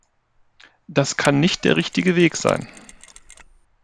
Das kann nicht der richtige Weg sein.